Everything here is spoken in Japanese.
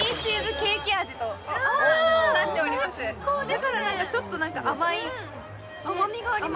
だから何かちょっと甘い・甘みがあります